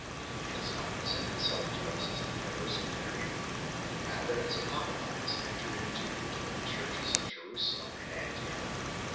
It does not present itself to us as a universal decree, but rather as a compromise entered into between the churches of Jerusalem and Antioch 2